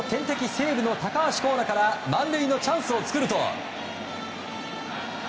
西武の高橋光成から満塁のチャンスを作ると。